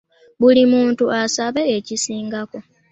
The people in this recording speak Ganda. Buli muntu asabe ekisingako.